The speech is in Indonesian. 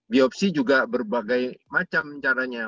biopsi juga berbagai macam caranya